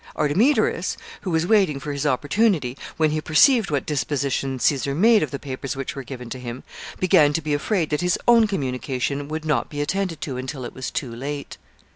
Artemidorus, who was waiting for his opportunity, when he perceived what disposition Caesar made of the papers which were given to him, began to be afraid that his own communication would not be attended to until it was too late.